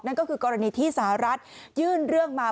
นั่นก็คือกรณีที่สหรัฐยื่นเรื่องมา